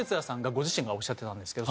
ご自身がおっしゃってたんですけど